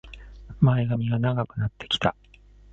前髪が長くなってきた